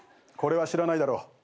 これは知らないだろう。